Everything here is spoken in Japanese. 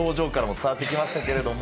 伝わってきましたけれども。